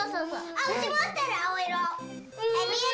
・あうち持ってる青色。